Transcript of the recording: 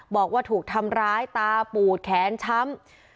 บอกว่าถูกทำร้ายตาปูดแขนช้ำ